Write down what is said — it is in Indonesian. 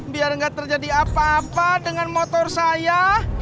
biar nggak terjadi apa apa dengan motor saya